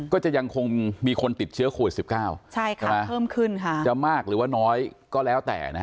ก็จะยังคงมีคนติดเชื้อโควิด๑๙จะมากหรือน้อยก็แล้วแต่